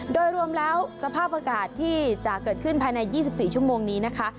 โดยรวมแล้วสภาพอากาศที่จะเกิดขึ้นภายใน๒๔ชั่วโมงนี้นะคะ